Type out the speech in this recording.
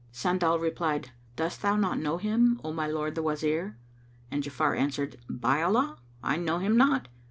Sandal replied, "Dost thou not know him, O my lord the Wazir?"; and Ja'afar answered, "By Allah, I know him not!